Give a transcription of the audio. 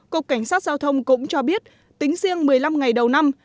cục cảnh sát giao thông cũng cho biết tính riêng một mươi năm ngày đầu năm